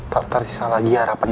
tak tersisa lagi harapan